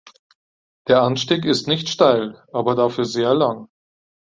Der Anstieg ist nicht steil, aber dafür sehr lang.